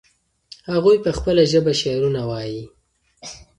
هغوی په خپله ژبه شعرونه وایي.